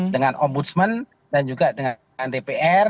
dengan ombudsman dan juga dengan dpr